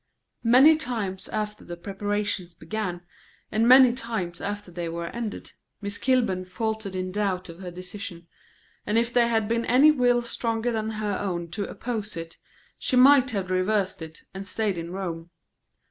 Many times after the preparations began, and many times after they were ended, Miss Kilburn faltered in doubt of her decision; and if there had been any will stronger than her own to oppose it, she might have reversed it, and stayed in Rome.